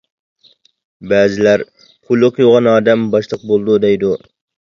بەزىلەر قۇلىقى يوغان ئادەم باشلىق بولىدۇ دەيدۇ!